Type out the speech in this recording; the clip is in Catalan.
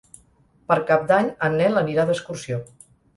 Per Cap d'Any en Nel anirà d'excursió.